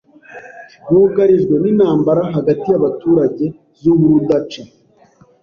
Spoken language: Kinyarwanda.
bugarijwe n’intambara hagati y’abaturage z’urudaca.